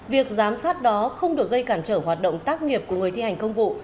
việc giám sát đó không được gây cản trở hoạt động tác nghiệp của người thi hành công vụ